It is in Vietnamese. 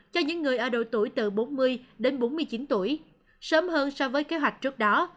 cho những người ở độ tuổi từ bốn mươi đến bốn mươi chín tuổi sớm hơn so với kế hoạch trước đó